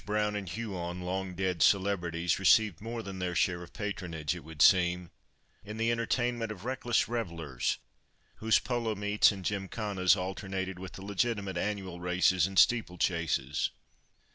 Brown and Huon, long dead celebrities, received more than their share of patronage, it would seem, in the entertainment of reckless revellers, whose polo meets and gymkhanas alternated with the legitimate annual races and steeplechases.